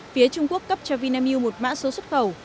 phía trung quốc cấp cho vinamilk một mã số xuất khẩu